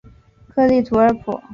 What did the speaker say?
克利图尔普。